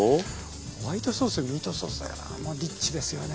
ホワイトソースにミートソースだからもうリッチですよね。